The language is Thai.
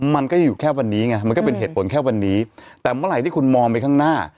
มันก็จะอยู่แค่วันนี้ไงมันก็เป็นเหตุผลแค่วันนี้แต่เมื่อไหร่ที่คุณมองไปข้างหน้า